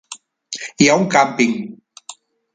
Hi ha un càmping.